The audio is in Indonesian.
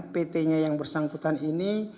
pt nya yang bersangkutan ini